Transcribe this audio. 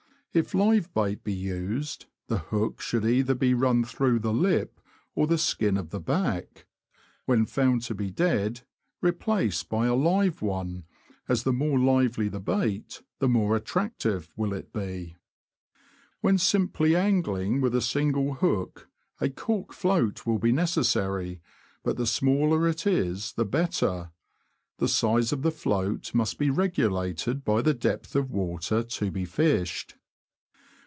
If live bait be used, the hook should either be run through the lip or the skin of the back ; when found to be dead, replace by a live one, as the more lively the bait the more attractive will it be. 304 THE LAND OF THE BROADS. When simply angling with a single hook, a cork float will be necessary; but the smaller it is, the better. The size of float must be regulated by the depth of water to be fished.